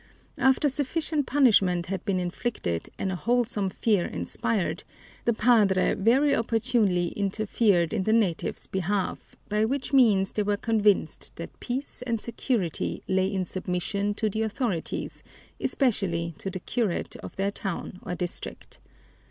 After sufficient punishment had been inflicted and a wholesome fear inspired, the padre very opportunely interfered in the natives' behalf, by which means they were convinced that peace and security lay in submission to the authorities, especially to the curate of their town or district.